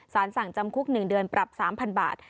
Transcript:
สารสั่งจำคุก๑เดือนปรับ๓๐๐บาท